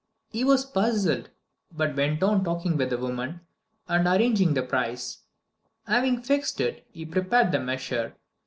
He was puzzled, but went on talking with the woman, and arranging the price. Having fixed it, he prepared the measure.